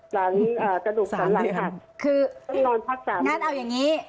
หลังอ่ากระดูกของหลังคือต้องนอนพักสามเดือนงั้นเอาอย่างงี้